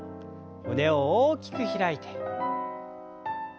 胸を大きく開いて。